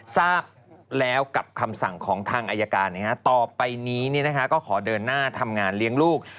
ทราบแล้วกับคำสั่งของทางอายการต่อไปนี้ก็ขอเดินหน้าทำงานเลี้ยงลูก